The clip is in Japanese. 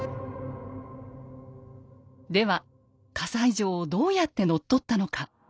では西城をどうやって乗っ取ったのか。